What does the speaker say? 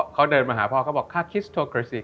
เขาเดินมาหาพ่อเขาบอกค่าคิสโทเกรสิก